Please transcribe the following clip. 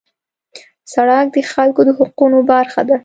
سړک د خلکو د حقونو برخه ده.